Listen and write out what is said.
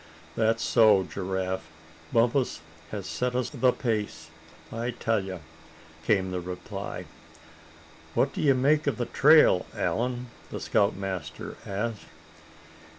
"That's so, Giraffe! Bumpus has set us the pace, I tell you," came the reply. "What do you make of the trail, Allan?" the scoutmaster asked.